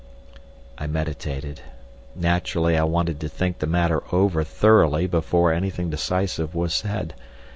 I meditated. Naturally, I wanted to think the matter over thoroughly before anything decisive was said.